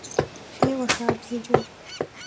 Феуэ шабзэкӏэ!